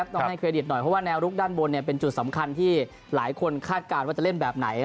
ต้องให้เครดิตหน่อยเพราะว่าแนวลุกด้านบนเป็นจุดสำคัญที่หลายคนคาดการณ์ว่าจะเล่นแบบไหน